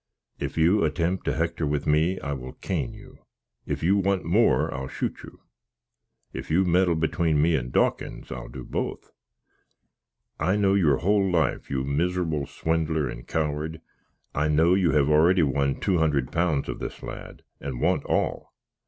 If you attempt to hector with me, I will cane you; if you want more, I'll shoot you; if you meddle between me and Dawkins, I will do both. I know your whole life, you miserable swindler and coward. I know you have already won two hundred pounds of this lad, and want all.